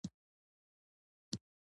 په مېړانه فکر کولو پړاو ته تحول